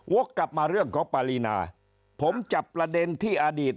กลับมาเรื่องของปารีนาผมจับประเด็นที่อดีต